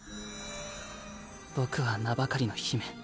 僕は名ばかりの姫。